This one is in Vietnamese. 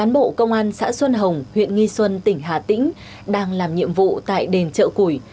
bộ công an xã xuân hồng huyện nghi xuân tỉnh hà tĩnh đang làm nhiệm vụ tại đền chợ củi